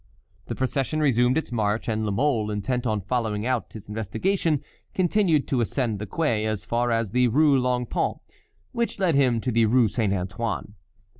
The procession resumed its march, and La Mole, intent on following out his investigation, continued to ascend the quay as far as the Rue Long Pont which led him to the Rue Saint Antoine.